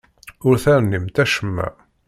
Ur ternimt acemma.